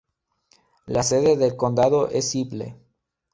La sede del condado es Sibley.